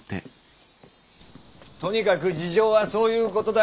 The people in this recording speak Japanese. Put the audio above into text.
とにかく事情はそういうことだ。